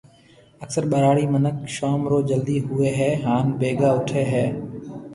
اڪثر ٻهراڙي منک شوم رو جلدي ۿوئي هي هان بيگا اوٺي هي